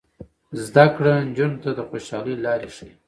زده کړه نجونو ته د خوشحالۍ لارې ښيي.